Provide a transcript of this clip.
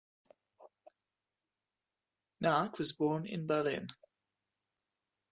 Knaack was born in Berlin.